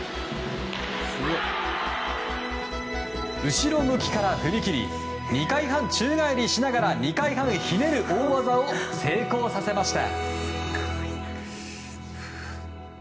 後ろ向きから踏み切り２回半宙返りしながら２回半ひねる大技を成功させました。